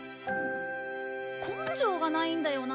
根性がないんだよな